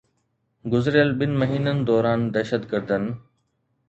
گذريل ٻن مهينن دوران دهشتگردن